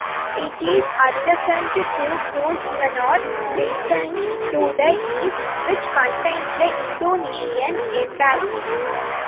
It is adjacent to Grosvenor Crescent to the east, which contains the Indonesian Embassy.